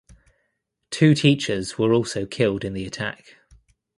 Two teachers were also killed in the attack.